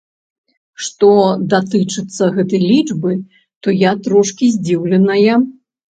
Што датычыцца гэтай лічбы, то я трошкі здзіўленая.